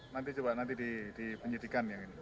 nanti coba nanti dipenyitikan yang ini